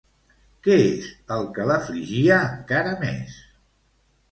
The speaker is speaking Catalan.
Què és el que l'afligia encara més?